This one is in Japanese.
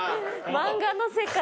漫画の世界。